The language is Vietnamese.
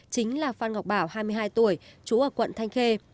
chính là phan ngọc bảo hai mươi hai tuổi trú ở quận thanh khê